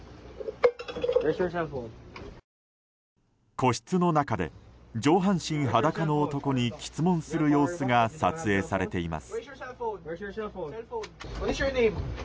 個室の中で、上半身裸の男に詰問する様子が撮影されています。